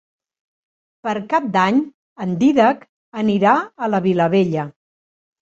Per Cap d'Any en Dídac anirà a la Vilavella.